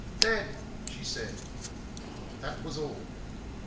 "DAD!" she said. That was all.